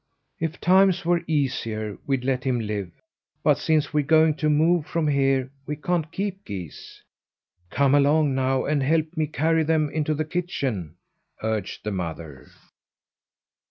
"If times were easier we'd let him live; but since we're going to move from here, we can't keep geese. Come along now and help me carry them into the kitchen," urged the mother.